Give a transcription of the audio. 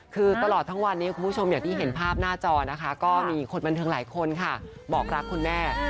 คือตลอดทั้งวันนี้คุณผู้ชมอย่างที่เห็นภาพหน้าจอนะคะก็มีคนบันเทิงหลายคนค่ะบอกรักคุณแม่